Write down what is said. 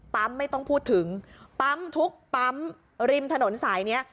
ไม่ต้องพูดถึงปั๊มทุกปั๊มริมถนนสายนี้